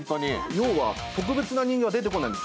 要は特別な人間は出てこないんです。